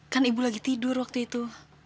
kan ibu lagi tidur waktu itu